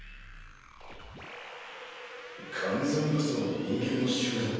完全武装の人間の集団？